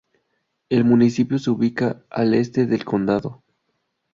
El municipio se ubica al este del condado.